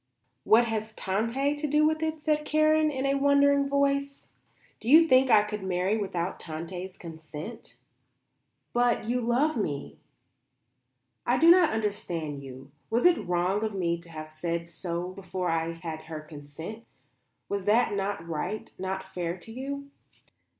"What has Tante to do with it?" said Karen in a wondering voice. "Do you think I could marry without Tante's consent?" "But you love me?" "I do not understand you. Was it wrong of me to have said so before I had her consent? Was that not right? Not fair to you?"